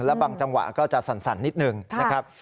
แล้วบางจังหวะก็จะสั่นนิดหนึ่งนะครับ